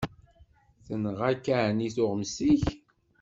Tenɣa-k εni tuɣmest-ik?